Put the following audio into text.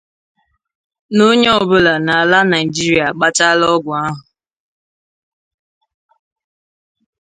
na onye ọbụla n'ala Nigeria agbachaala ọgwụ ahụ.